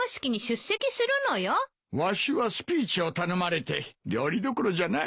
わしはスピーチを頼まれて料理どころじゃない。